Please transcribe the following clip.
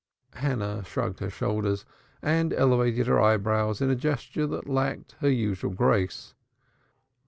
Hannah shrugged her shoulders and elevated her eyebrows in a gesture that lacked her usual grace.